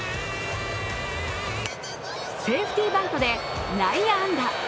セーフティーバントで内野安打。